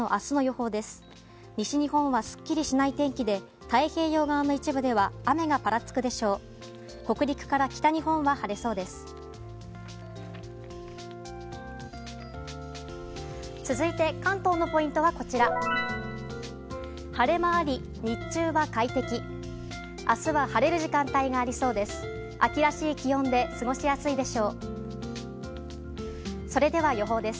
明日は晴れる時間帯がありそうです。